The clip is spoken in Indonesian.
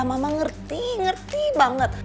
mama ngerti ngerti banget